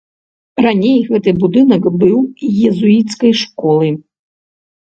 Раней гэты будынак быў езуіцкай школы.